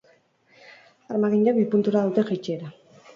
Armaginek bi puntura dute jaitsiera.